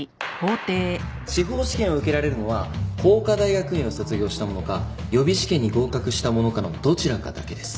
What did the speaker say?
司法試験を受けられるのは法科大学院を卒業した者か予備試験に合格した者かのどちらかだけです。